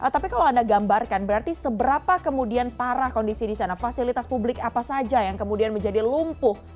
tapi kalau anda gambarkan berarti seberapa kemudian parah kondisi di sana fasilitas publik apa saja yang kemudian menjadi lumpuh